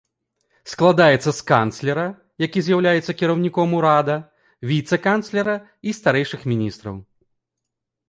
Складаецца з канцлера, які з'яўляецца кіраўніком урада, віцэ-канцлера і старэйшых міністраў.